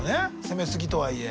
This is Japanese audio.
攻めすぎとはいえ。